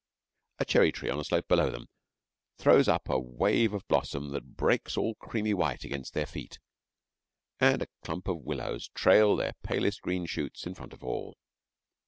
A cherry tree on a slope below them throws up a wave of blossom that breaks all creamy white against their feet, and a clump of willows trail their palest green shoots in front of all.